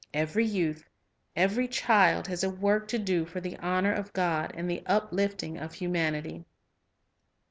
Every youth, every child, has a work to do for the honor of God and the uplifting of humanity.